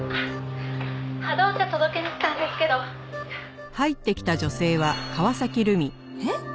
「波動茶届けに来たんですけど」えっ？